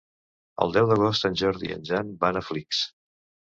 El deu d'agost en Jordi i en Jan van a Flix.